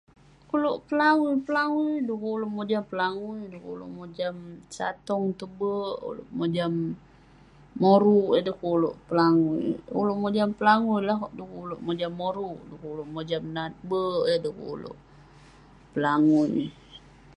Ulouk pelangui-pelangui, dukuk ulouk mojam pelangui, dukuk ulouk mojam satong tong bek, ulouk mojam moruk, yan dukuk pelangui, ulouk mojam pelangui lah, dukuk mojam moruk, dukuk ulouk mojam nat bek, yan dukuk ulouk pelangui.